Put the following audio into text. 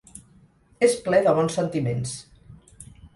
És ple de bons sentiments.